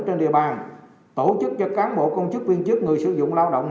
trên địa bàn tổ chức cho cán bộ công chức viên chức người sử dụng lao động